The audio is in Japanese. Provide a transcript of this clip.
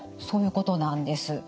そういうことなんです。